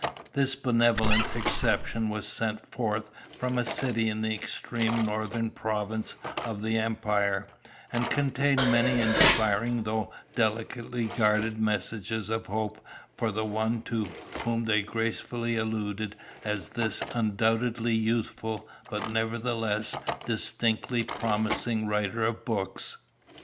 This benevolent exception was sent forth from a city in the extreme Northern Province of the Empire, and contained many inspiring though delicately guarded messages of hope for the one to whom they gracefully alluded as 'this undoubtedly youthful, but nevertheless, distinctly promising writer of books.